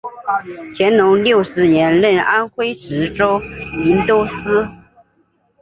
乾隆六十年任安徽池州营都司。